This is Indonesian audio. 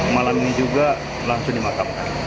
malam ini juga langsung dimakamkan